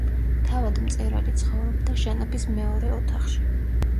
თავად მწერალი ცხოვრობდა შენობის მეორე ოთახში.